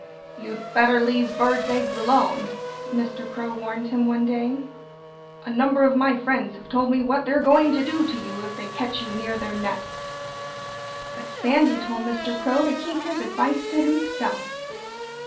"You'd better leave birds' eggs alone!" Mr. Crow warned him one day. "A number of my friends have told me what they're going to do to you, if they catch you near their nests." But Sandy told Mr. Crow to keep his advice to himself.